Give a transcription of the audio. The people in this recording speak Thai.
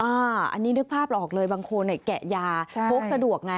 อันนี้นึกภาพออกเลยบางคนแกะยาพกสะดวกไง